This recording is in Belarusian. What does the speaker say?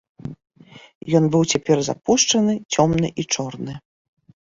Ён быў цяпер запушчаны, цёмны і чорны.